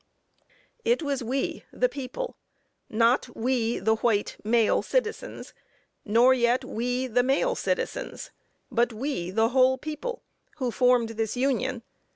It was we, the people, not we, the white male citizens, nor yet we, the male citizens; but we, the whole people, who formed this Union.